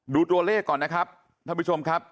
ดูตัวเลขก่อนนะครับท่านผู้ชมครับ